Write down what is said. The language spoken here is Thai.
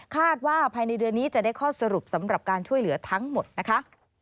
ภายในเดือนนี้จะได้ข้อสรุปสำหรับการช่วยเหลือทั้งหมดนะคะ